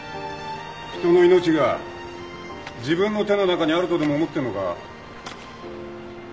人の命が自分の手の中にあるとでも思ってんのか？